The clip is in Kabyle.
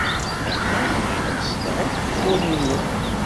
Naqal ɣileɣ ssneɣ akk ufuren-nnem.